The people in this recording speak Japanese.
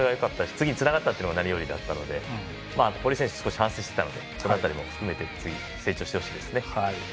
次につながったっていうのが何よりだったので堀江選手、少し反省してたのでその辺りも含めて次、成長してほしいですね。